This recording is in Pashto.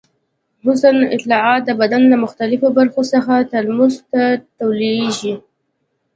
حسي اطلاعات د بدن له مختلفو برخو څخه تلاموس ته ټولېږي.